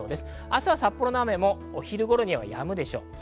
明日は札幌の雨もお昼頃にはやむでしょう。